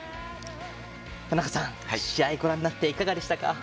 田中さん、試合ご覧になっていかがでしたか？